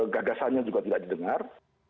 gagasannya juga tidak didengar